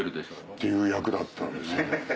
っていう役だったんですよ。